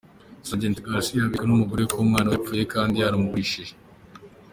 Sgt Garcia yabeshywe n’umugore we ko umwana we yapfuye kandi yaramugurishije.